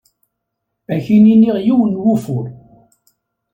Ad ak-iniɣ yiwen n wufur.